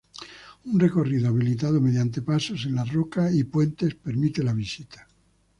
Un recorrido habilitado mediante pasos en la roca y puentes permite la visita.